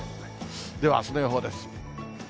ではあすの予報です。